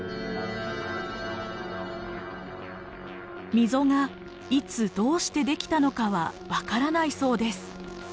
溝がいつどうして出来たのかは分からないそうです。